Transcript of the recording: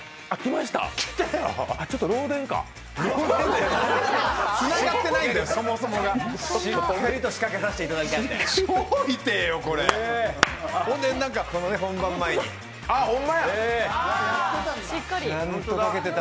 しっかりと仕掛けさせていただきました。